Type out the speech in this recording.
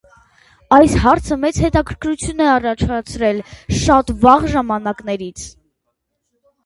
Այս հարցը մեծ հետաքրքրություն է առաջացել շատ վաղ ժամանակներից։